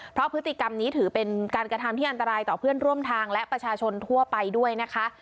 เพราะพฤติกรรมนี้ถือเป็นการกระทำที่อันตรายต่อเพื่อนร่วมทางและประชาชนทั่วไปด้วยนะคะ